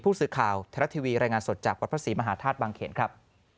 ผู้ซื้อข่าวไทรลักษณ์ทีวีรายงานสดจากวัตรภาษีมหาธาตุบังเกณฑ์ครับ